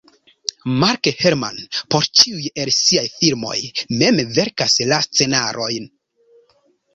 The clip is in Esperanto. Mark Herman por ĉiuj el siaj filmoj mem verkas la scenarojn.